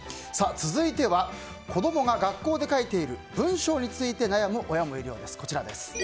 続いては子供が学校で書いている文章について悩む親もいるようです。